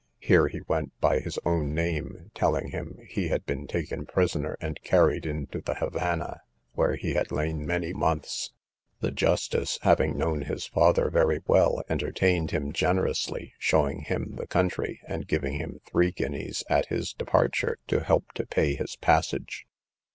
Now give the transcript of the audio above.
Here he went by his own name, telling him, he had been taken prisoner, and carried into the Havannah, where he had lain many months. The justice having known his father very well, entertained him generously, showed him the country, and gave him three guineas at his departure, to help to pay his passage.